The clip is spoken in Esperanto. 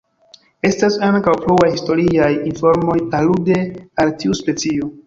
Estas ankaŭ fruaj historiaj informoj alude al tiu specio.